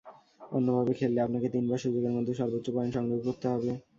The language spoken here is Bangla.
অন্যভাবে খেললে আপনাকে তিনবার সুযোগের মধ্যে সর্বোচ্চ পয়েন্ট সংগ্রহ করতে হবে।